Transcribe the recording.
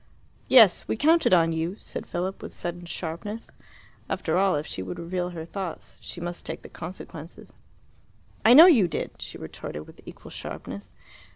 "Yes; we counted on you," said Philip, with sudden sharpness. After all, if she would reveal her thoughts, she must take the consequences. "I know you did," she retorted with equal sharpness.